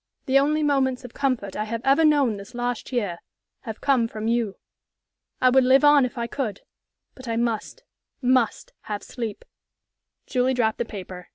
The only moments of comfort I have ever known this last year have come from you. I would live on if I could, but I must must have sleep." Julie dropped the paper.